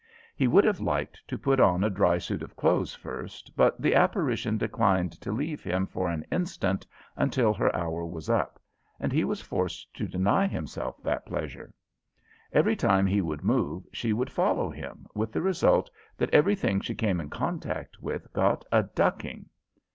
He would have liked to put on a dry suit of clothes first, but the apparition declined to leave him for an instant until her hour was up, and he was forced to deny himself that pleasure. Every time he would move she would follow him, with the result that everything she came in contact with got a ducking.